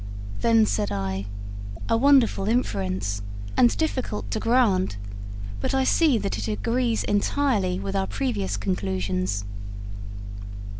Then said I: 'A wonderful inference, and difficult to grant; but I see that it agrees entirely with our previous conclusions.'